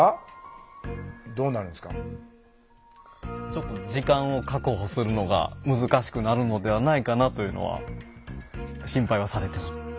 ちょっと時間を確保するのが難しくなるのではないかなというのは心配はされてます。